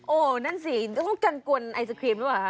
โอ้โหนั่นสิต้องกันกวนไอศครีมหรือเปล่าคะ